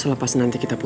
terlepas nanti kita putus